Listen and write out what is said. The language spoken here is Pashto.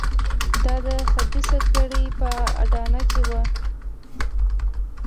دا د خبیثه کړۍ په اډانه کې وو.